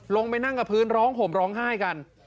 ลงไปนั่งกับพื้นร้องห่มร้องไห้กัน